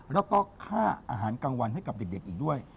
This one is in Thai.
แล้วก็ค่าอาหารกลางวันให้กับเด็กอีกด้วย